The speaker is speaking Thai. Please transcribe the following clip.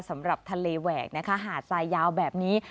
สำหรับทะเลแหวกนะคะหาดทรายยาวแบบนี้